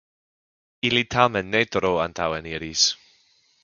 Ili tamen ne tro antaŭeniris.